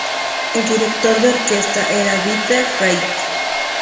El director de orquesta era Dieter Reith.